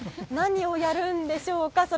何をやるんでしょうか？